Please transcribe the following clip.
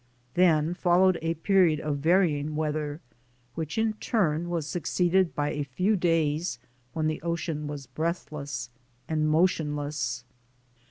Then fol lowed a period of varying weather, which in turn was succeeded by a few days when the ocean was breath less and motionless.